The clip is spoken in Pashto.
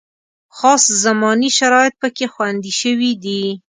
خاص زماني شرایط پکې خوندي شوي دي.